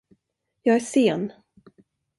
Jag är sen.